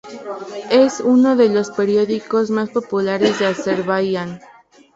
Es uno de los periódicos más populares en Azerbaiyán.